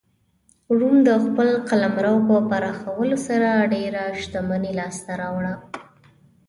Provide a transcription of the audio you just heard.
روم د خپل قلمرو په پراخولو سره ډېره شتمني لاسته راوړه